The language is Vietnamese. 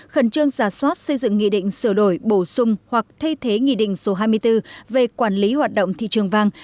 khẩn trương giả soát xây dựng nghị định sửa đổi bổ sung hoặc thay thế nghị định số hai mươi bốn về quản lý hoạt động thị trường vàng